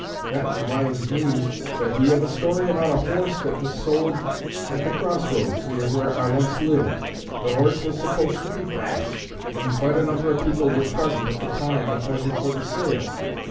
That reminds me,' said he, 'of a story about a horse that was sold at the cross roads near where I once lived. The horse was supposed to be fast, and quite a number of people were present at the time appointed for the sale.